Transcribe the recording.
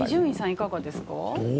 いかがですか。